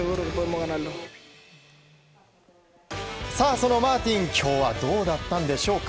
そのマーティン今日はどうだったんでしょうか。